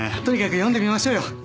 とにかく読んでみましょうよ。